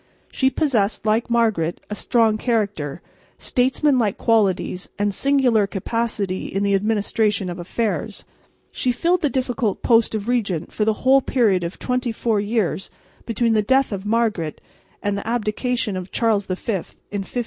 She possessed, like Margaret, a strong character, statesmanlike qualities and singular capacity in the administration of affairs. She filled the difficult post of regent for the whole period of twenty four years between the death of Margaret and the abdication of Charles V in 1555.